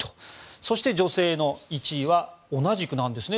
そして女性の１位は同じくなんですね。